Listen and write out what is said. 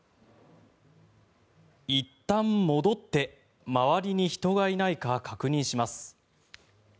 いったん戻って周りに人がいないか確認します。